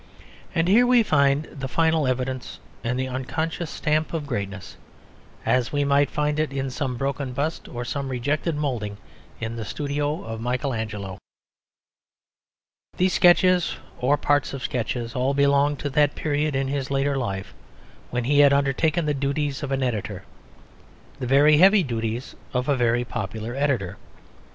And here we find the final evidence and the unconscious stamp of greatness, as we might find it in some broken bust or some rejected moulding in the studio of Michael Angelo. These sketches or parts of sketches all belong to that period in his later life when he had undertaken the duties of an editor, the very heavy duties of a very popular editor.